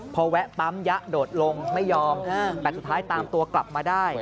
พอแวะปั๊มยะโดดลงไม่ยอมแต่สุดท้ายตามตัวกลับมาได้